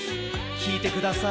きいてください。